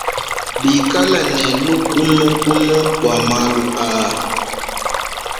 Bikale ne lukunukunu bua malu aa.